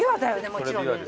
もちろんね。